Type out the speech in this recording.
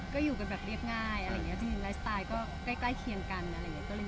ก็อยู่กันแบบเรียบง่ายอะไรอย่างนี้จริงไลฟ์สไตล์ก็ใกล้เคียงกันอะไรอย่างนี้